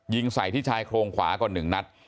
ยิงใส่ที่ชายโครงขวาก่อน๑นัด